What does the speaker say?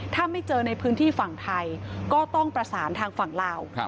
ถ้าไม่เจอในพื้นที่ฝั่งไทยก็ต้องประสานทางฝั่งลาว